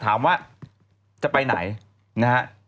ถามว่าจะไปไหน